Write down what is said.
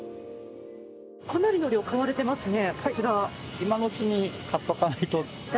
かなりの量買われていますね。